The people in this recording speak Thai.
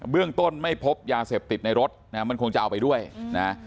เรื่องต้นไม่พบยาเสพติดในรถนะมันคงจะเอาไปด้วยนะ